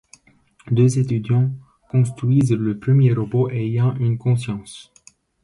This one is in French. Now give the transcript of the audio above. Deux étudiants construisent le premier robot ayant une conscience.